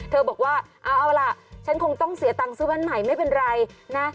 บอกว่าเอาล่ะฉันคงต้องเสียตังค์ซื้อบ้านใหม่ไม่เป็นไรนะ